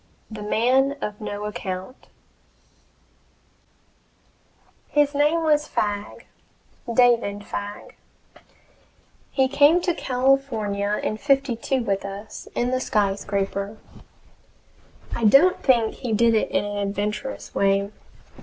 THE MAN OF NO ACCOUNT His name was Fagg David Fagg. He came to California in '52 with us, in the SKYSCRAPER. I don't think he did it in an adventurous way.